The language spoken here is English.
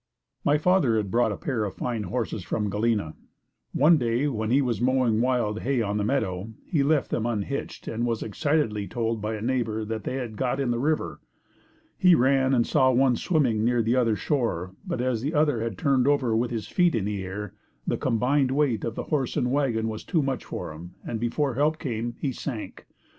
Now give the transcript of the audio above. My father had brought a fine pair of horses from Galena. One day when he was mowing wild hay on a meadow, he left them unhitched and was excitedly told by a neighbor that they had got in the river. He ran and saw one swimming near the other shore but as the other had turned over with his feet in the air, the combined weight of the horse and wagon was too much for him and before help came, he sank.